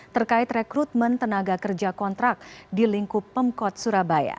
terkait rekrutmen tenaga kerja kontrak di lingkup pemkot surabaya